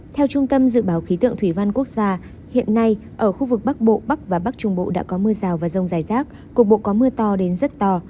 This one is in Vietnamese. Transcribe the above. theo trung tâm dự báo khí tượng thủy văn quốc gia hiện nay ở khu vực bắc bộ bắc và bắc trung bộ đã có mưa rào và rông dài rác cục bộ có mưa to đến rất to